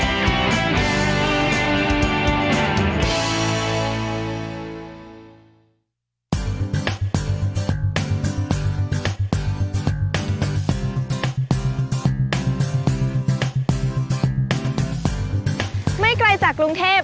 สวัสดีค่ะไม่ไกลจากกรุงเทพย์